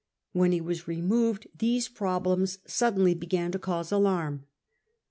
When he was removed, these problems sud denly began to cause alarm.